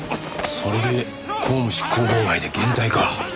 それで公務執行妨害で現逮か。